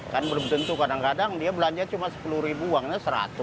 kan belum tentu kadang kadang dia belanja cuma sepuluh ribu uangnya seratus